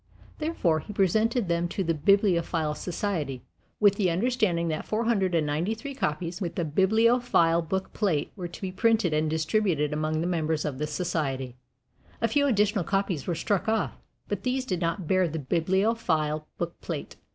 Therefore, he presented them to the Bibliophile Society, with the understanding that four hundred and ninety three copies, with the Bibliophile book plate, were to be printed and distributed among the members of the society. A few additional copies were struck off, but these did not bear the Bibliophile book plate.